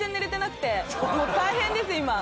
大変です今。